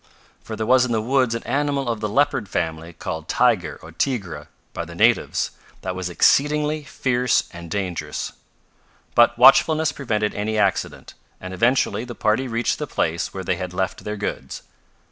For there was in the woods an animal of the leopard family, called tiger or "tigre" by the natives, that was exceedingly fierce and dangerous. But watchfulness prevented any accident, and eventually the party reached the place where they had left their goods.